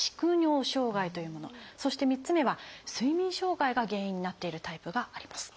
そして３つ目は「睡眠障害」が原因になっているタイプがあります。